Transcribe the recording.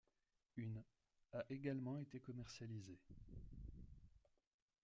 Une a également été commercialisée.